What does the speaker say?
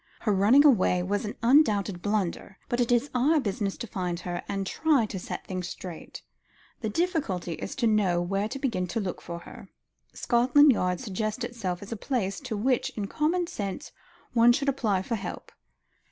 "Her running away was an undoubted blunder, but it is our business to find her, and try to set things straight. The difficulty is to know where to begin to look for her. Scotland Yard suggests itself as the place to which in common sense one should apply for help."